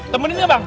temenin ya bang